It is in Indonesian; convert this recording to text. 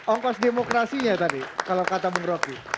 ongkos demokrasinya tadi kalau kata bung rocky